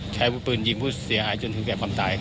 ใช้วุฒิปืนยิงผู้เสียหายจนถึงแก่ความตาย